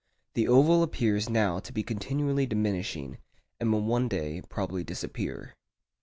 The oval appears now to be continually diminishing, and will one day probably disappear.